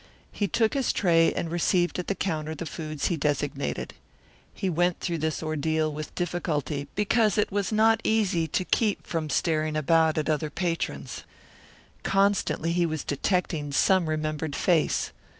He took his tray and received at the counter the foods he designated. He went through this ordeal with difficulty because it was not easy to keep from staring about at other patrons. Constantly he was detecting some remembered face.